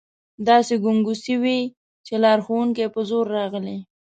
داسې ګنګوسې وې چې لارښوونکي په زور راغلي.